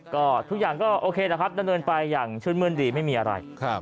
ก็ทุกอย่างก็โอเคนะครับดำเนินไปอย่างชื่นมื้นดีไม่มีอะไร